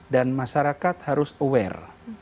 dan masyarakat harus aware